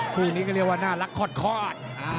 คู่นี้ก็เรียกว่าน่ารักคลอด